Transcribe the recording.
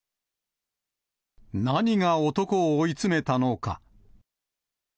何が男を追い詰めたのか。